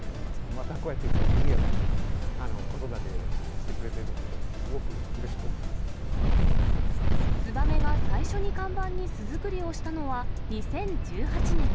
また、こうやってにぎやかに子育てしてくれてるので、すごくうれしく思ツバメが最初に看板に巣作りをしたのは２０１８年。